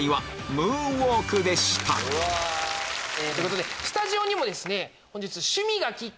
ということでスタジオにも。